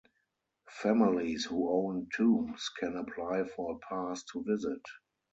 Families who own tombs can apply for a pass to visit.